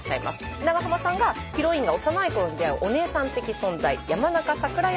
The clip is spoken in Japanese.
長濱さんがヒロインが幼いころに出会うお姉さん的存在山中さくら